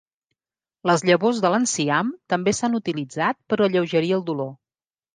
Les llavors de l'enciam també s'han utilitzat per alleugerir el dolor.